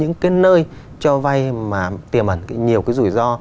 cái nơi cho vai mà tiềm ẩn nhiều cái rủi ro